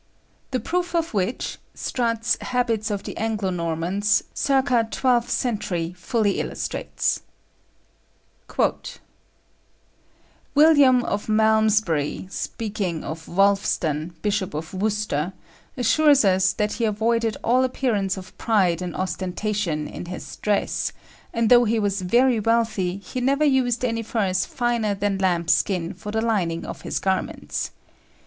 The proof of which Strutt's "Habits of the Anglo Normans," circâ twelfth century, fully illustrates: "William of Malmesbury, speaking of Wulfstan, Bishop of Worcester, assures us that he avoided all appearance of pride and ostentation in his dress, and though he was very wealthy, he never used any furs finer than lambs' skin for the lining of his garments.